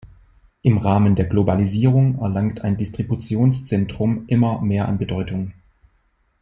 Im Rahmen der Globalisierung erlangt ein Distributionszentrum immer mehr an Bedeutung.